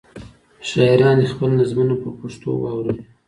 شاعران دې خپلې نظمونه په پښتو واوروي.